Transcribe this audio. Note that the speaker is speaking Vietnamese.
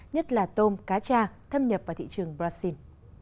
nhất là tôm cá cha thâm nhập vào thị trường brazil